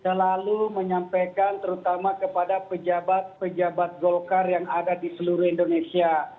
selalu menyampaikan terutama kepada pejabat pejabat golkar yang ada di seluruh indonesia